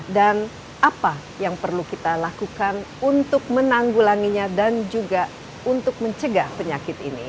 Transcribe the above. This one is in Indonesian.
dan apa yang perlu kita lakukan untuk menanggulanginya dan juga untuk mencegah penyakit ini